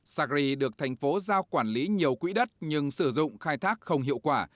sacri được thành phố giao quản lý nhiều quỹ đất nhưng sử dụng khai thác không hiệu quả